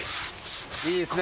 いいですね。